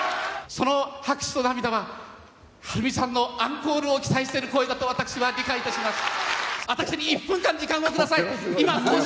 その拍手と涙ははるみさんのアンコールを期待している声だと私は理解いたします。